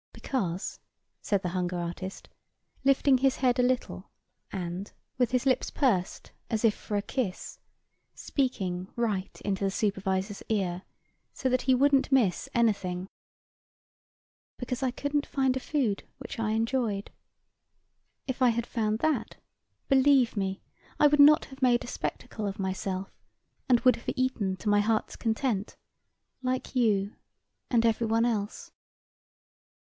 "Because," said the hunger artist, lifting his head a little and, with his lips pursed as if for a kiss, speaking right into the supervisor's ear so that he wouldn't miss anything, "because I couldn't find a food which I enjoyed. If had found that, believe me, I would not have made a spectacle of myself and would have eaten to my heart's content, like you and everyone else."